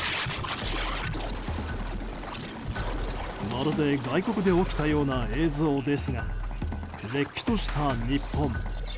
まるで外国で起きたような映像ですがれっきとした日本。